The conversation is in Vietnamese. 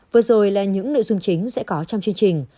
vừa rồi là những nội dung chính sẽ có trong chương trình